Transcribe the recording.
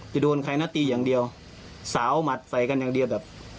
โดนใครนะตีอย่างเดียวสาวหมัดใส่กันอย่างเดียวแบบ